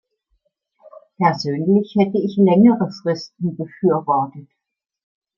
Persönlich hätte ich längere Fristen befürwortet.